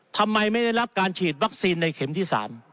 ทำไมไม่ได้รับการฉีดวัคซีนในเข็มที่๓